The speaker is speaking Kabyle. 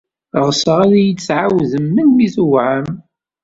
Ɣseɣ ad iyi-d-tɛawdem melmi tuɛam.